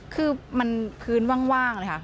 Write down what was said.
คือมันพื้นว่างเลยค่ะ